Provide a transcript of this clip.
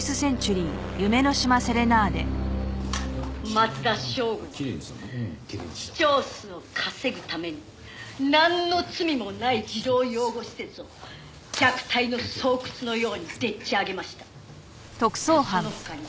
「松田省吾は視聴数を稼ぐためになんの罪もない児童養護施設を虐待の巣窟のようにでっち上げました」